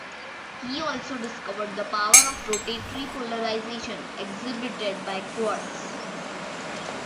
He also discovered the power of rotatory polarization exhibited by quartz.